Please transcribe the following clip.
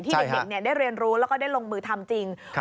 เด็กได้เรียนรู้แล้วก็ได้ลงมือทำจริง